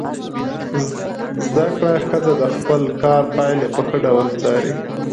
زده کړه ښځه د خپل کار پایلې په ښه ډول څاري.